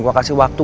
gue kasih waktu